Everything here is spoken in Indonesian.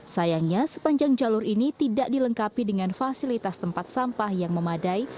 sayangnya sepanjang jalur ini tidak dilengkapi dengan fasilitas tempat sampah yang memadai